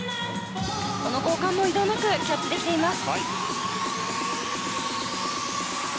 この交換も移動なくキャッチできています。